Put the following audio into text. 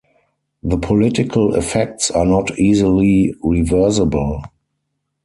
The political effects are not easily reversible.